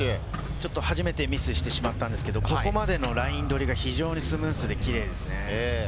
ちょっと初めてミスしてしまったんですが、ここまでのライン取りが非常にスムーズでキレイですね。